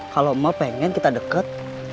kalau mah pengen kita deket